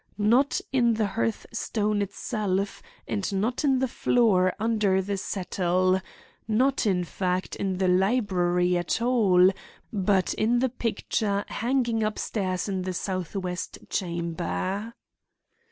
Not in the hearthstone itself and not in the floor under the settle; not, in fact, in the library at all, but in the picture hanging upstairs in the southwest chamber."